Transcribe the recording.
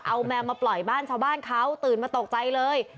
เอาแมวมาปล่อยบ้านชาวบ้านเขาตื่นมาตกใจเลย